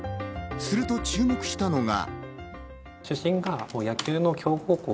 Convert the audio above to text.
すると、注目したのが。